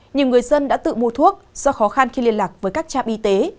nhiều người dân đã tự mua thuốc do khó khăn khi liên lạc với các trạm y tế